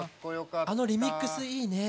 あのリミックスいいね。ね。